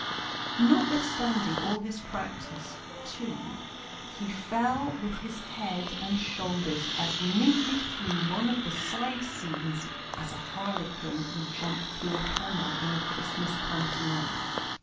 Notwithstanding all his practice, too, he fell with his head and shoulders as neatly through one of the side scenes, as a harlequin would jump through a panel in a Christmas pantomime.